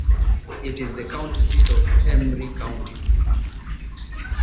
It is the county seat of Emery County.